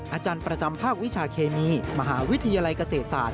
อาจารย์ประจำภาควิชาเคมีมหาวิทยาลัยเกษตรศาสต